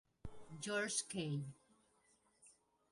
Georges Cay.